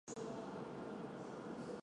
改编曲一般分为两种。